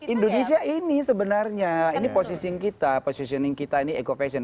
indonesia ini sebenarnya ini positioning kita positioning kita ini eco fashion